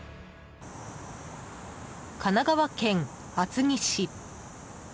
神奈川県厚木市。